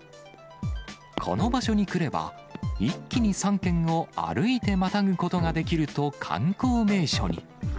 この場所に来れば、一気に３県を歩いてまたぐことができると観光名所に。